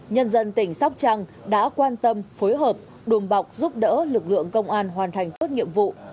nhân dân tỉnh sóc trăng đã quan tâm phối hợp đùm bọc giúp đỡ lực lượng công an hoàn thành tốt nhiệm vụ